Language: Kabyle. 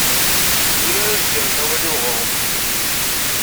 D win ara s-d-yerren awal i uɣref.